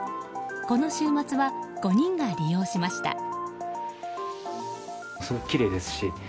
この週末は５人が利用しました。